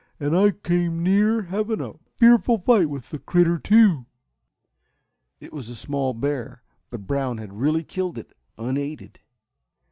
"And I came near having a fearful fight with the critter, too." It was a small bear, but Brown had really killed it unaided.